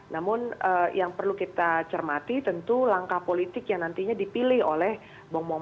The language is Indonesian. namun yang perlu kita cermati tentu langkah politik yang nantinya dipilih oleh bang maman